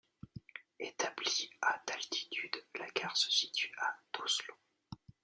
Etablie à d'altitude, la gare se situe à d'Oslo.